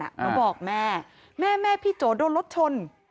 เขาบอกแม่แม่พี่โจโดนรถชน